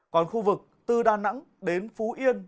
còn khu vực từ đà nẵng đến phú yên